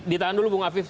ditahan dulu bung afif